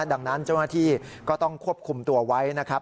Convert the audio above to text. ดังนั้นเจ้าหน้าที่ก็ต้องควบคุมตัวไว้นะครับ